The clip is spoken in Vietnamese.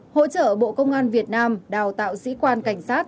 hỗ trợ bộ công an việt nam đào tạo sĩ quan cảnh sát